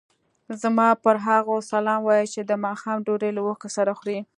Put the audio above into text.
زما پر هغو سلام وایه چې د ماښام ډوډۍ له اوښکو سره خوري.